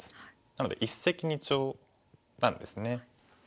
なので一石二鳥なんですね。